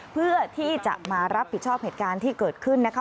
เพื่อที่จะมารับผิดชอบเหตุการณ์ที่เกิดขึ้นนะคะ